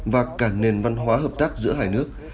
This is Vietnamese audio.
và cả nền văn hóa hợp tác giữa hai nước